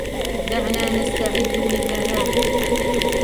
دعنا نستعد للذهاب.